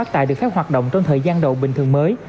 tại được phép hoạt động trong thời gian đầu bình thường mới